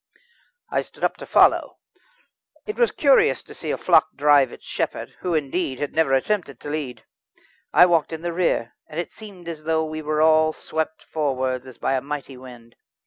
I stood up to follow. It was curious to see a flock drive its shepherd, who, indeed, had never attempted to lead. I walked in the rear, and it seemed as though we were all swept forward as by a mighty wind.